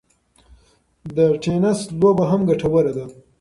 د ټینېس لوبه هم ګټوره ده.